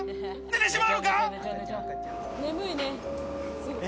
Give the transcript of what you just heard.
寝てしまうのか？